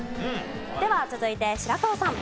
では続いて白河さん。